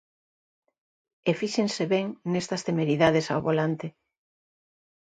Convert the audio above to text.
E fíxense ben nestas temeridades ao volante.